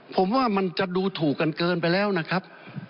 ผมว่ามันจะดูถูกกันเกินไปแล้วนะครับ